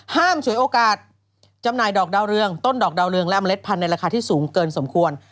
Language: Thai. ฉวยโอกาสจำหน่ายดอกดาวเรืองต้นดอกดาวเรืองและเมล็ดพันธุ์ราคาที่สูงเกินสมควร